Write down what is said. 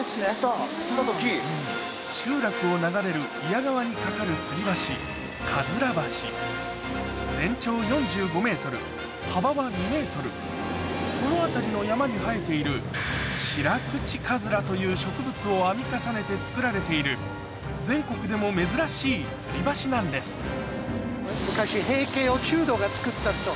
集落を流れる祖谷川に架かるつり橋この辺りの山に生えているシラクチカズラという植物を編み重ねて作られている全国でも珍しいつり橋なんですえぇ！